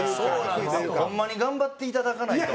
ホンマに頑張っていただかないと。